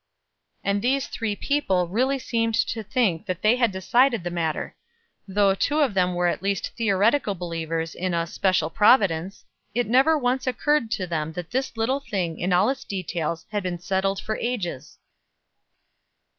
And these three people really seemed to think that they had decided the matter. Though two of them were at least theoretical believers in a "special providence," it never once occurred to them that this little thing, in all its details, had been settled for ages.